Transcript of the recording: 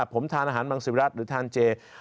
ผมทานอาหารมังศิรัตนหรือทานเจ